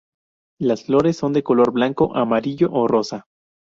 Las flores son de color blanco, amarillo o rosa.